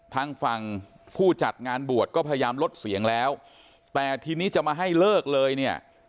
ทางฝั่งผู้จัดงานบวชก็พยายามลดเสียงแล้วแต่ทีนี้จะมาให้เลิกเลยเนี่ย